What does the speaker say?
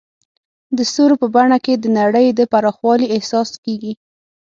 د ستورو په بڼه کې د نړۍ د پراخوالي احساس کېږي.